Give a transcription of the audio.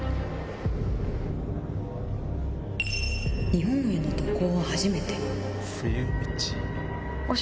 日本への渡航は初めて